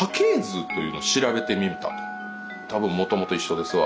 多分もともと一緒ですわ。